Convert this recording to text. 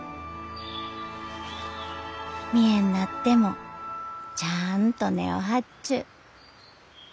見えんなってもちゃあんと根を張っちゅう。